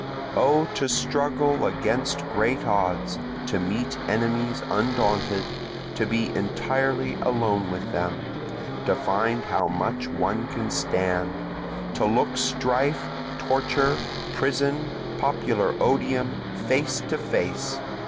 O to struggle against great odds, to meet enemies undaunted! To be entirely alone with them, to find how much one can stand! To look strife, torture, prison, popular odium, face to face!